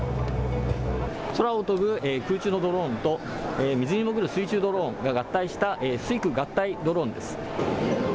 空を飛ぶ空中のドローンと、水に潜る水中ドローンが合体した水空合体ドローンです。